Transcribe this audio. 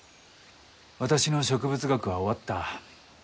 私の植物学は終わった。